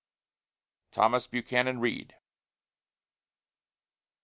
THOMAS BUCHANAN READ.